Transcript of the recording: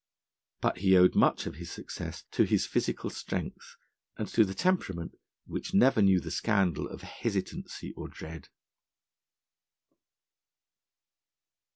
But he owed much of his success to his physical strength, and to the temperament, which never knew the scandal of hesitancy or dread.